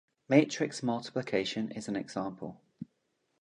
Matrix multiplication is an example.